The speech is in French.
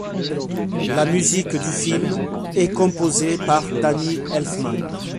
La musique du film est composée par Danny Elfman.